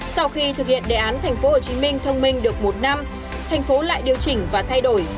sau khi thực hiện đề án tp hcm thông minh được một năm thành phố lại điều chỉnh và thay đổi